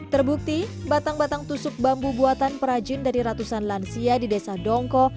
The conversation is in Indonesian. terbukti batang batang tusuk bambu buatan perajin dari ratusan lansia di desa dongko